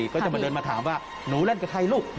ก็จะมาเดินมาถามว่าหนูเล่นกับใครลูก